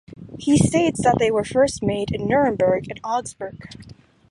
He states that they were first made in Nuremberg and Augsburg.